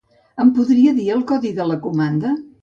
Em podria dir el codi de comanda?